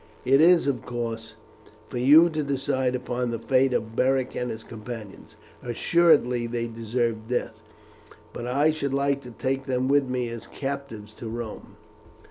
It is, of course, for you to decide upon the fate of Beric and his companions; assuredly they deserve death, but I should like to take them with me as captives to Rome."